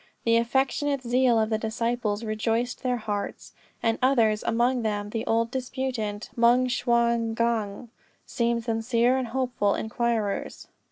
The affectionate zeal of the disciples rejoiced their hearts; and others, and among them the old disputant, Moung Shwa gnong, seemed sincere and hopeful inquirers.